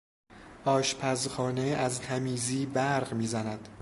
آشپزخانه از تمیزی برق میزند.